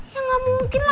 ya gak mungkin lah